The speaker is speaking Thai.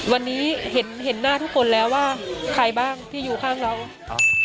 วันนี้เห็นเห็นหน้าทุกคนแล้วว่าใครบ้างที่อยู่ข้างเราอ่า